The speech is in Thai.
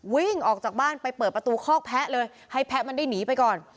วิ่งออกจากบ้านไปเปิดประตูคอกแพะเลยให้แพะมันได้หนีไปก่อน